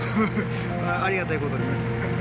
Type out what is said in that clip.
ありがたいことに。